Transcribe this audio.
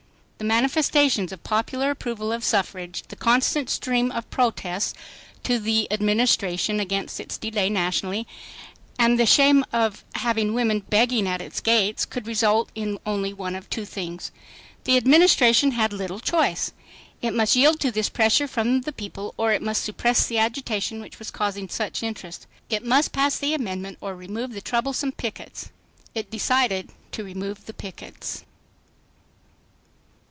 The manifestations of popular approval of suffrage, the constant stream of protests to the Administration against its delay nationally, and the shame of having women begging at its gates, could result in only one of two things. The Administration had little choice. It must yield to this pressure from the people or it must suppress the agitation which was causing such interest. It must pass the amendment or remove the troublesome pickets. It decided to remove the pickets.